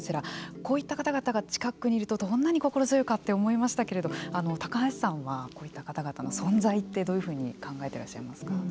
こういった方々が近くにいるとどんなに心強いかって思いましたけど高橋さんはこういった方々の存在ってどういうふうに考えていらっしゃいますか。